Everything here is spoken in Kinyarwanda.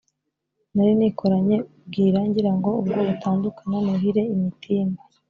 nari nikoranye ubwira ngira ngo ubwo butandukana, nuhire imitimba.